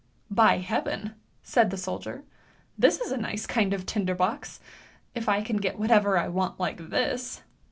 "" By heaven! " said the soldier, " this is a nice kind of tinder box, if I can get whatever I want like this